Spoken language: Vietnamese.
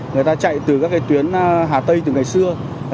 người ta chạy từ các cái tuyến hà tây từ ngày xưa